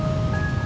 di bajuan di bajuan